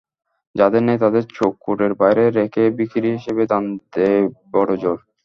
যাদের নেই তাদের চৌকাঠের বাইরে রেখে ভিখিরি হিসেবেই দান দেয় বড়জোর।